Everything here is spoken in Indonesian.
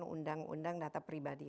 undang undang data pribadi